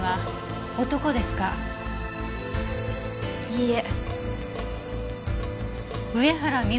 いいえ。